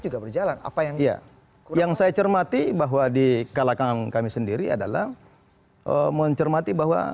juga berjalan apa yang saya cermati bahwa di kalangan kami sendiri adalah mencermati bahwa